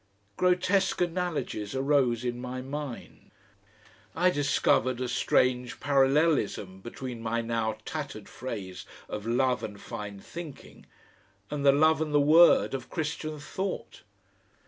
Grotesque analogies arose in my mind. I discovered a strange parallelism between my now tattered phrase of "Love and fine thinking" and the "Love and the Word" of Christian thought.